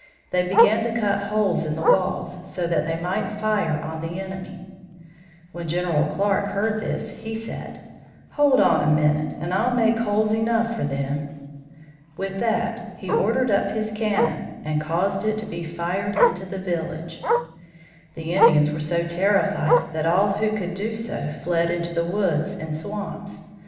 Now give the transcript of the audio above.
They began to cut holes in the walls, so that they might fire on the enemy. When General Clark heard this, he said: "Hold on a minute, and I'll make holes enough for them." With that he ordered up his cannon and caused it to be fired into the village. The Indians were so terrified that all who could do so fled into the woods and swamps.